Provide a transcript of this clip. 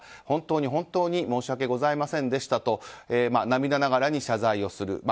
本当に本当に申し訳ございませんでしたと涙ながらに謝罪する。